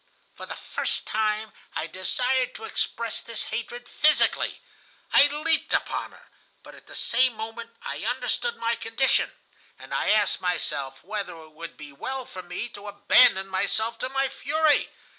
For the first time I desired to express this hatred physically. I leaped upon her, but at the same moment I understood my condition, and I asked myself whether it would be well for me to abandon myself to my fury.